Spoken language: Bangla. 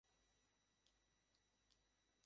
আবার বলিতে বলিতে যখন হাসি পাইত তখন তাহাই বা থামায় কে।